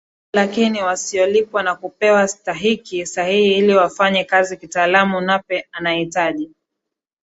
fani zao lakini wasiolipwa na kupewa stahiki sahihi ili wafanye kazi kitaalamu Nape anahitaji